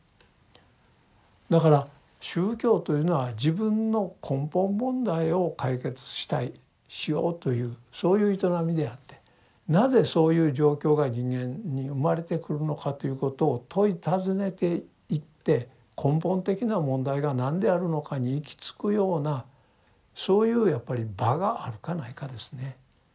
だから宗教というのは自分の根本問題を解決したいしようというそういう営みであってなぜそういう状況が人間に生まれてくるのかということを問い尋ねていって根本的な問題が何であるのかに行き着くようなそういうやっぱり場があるかないかですね。